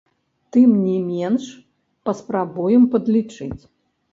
Тым не менш, паспрабуем падлічыць.